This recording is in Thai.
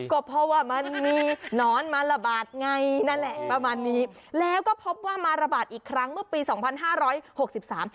ก็เพราะว่ามันมีหนอนมาระบาดไงนั่นแหละประมาณนี้แล้วก็พบว่ามาระบาดอีกครั้งเมื่อปีสองพันห้าร้อยหกสิบสาม